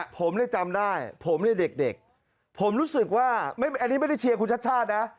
ผมได้จำได้ผมได้เด็กผมรู้สึกว่าอันนี้ไม่ได้เชียร์คุณชาตินะ